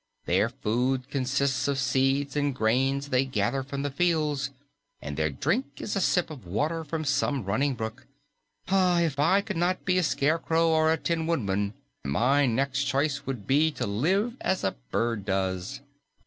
Their food consists of seeds and grains they gather from the fields, and their drink is a sip of water from some running brook. If I could not be a Scarecrow or a Tin Woodman, my next choice would be to live as a bird does."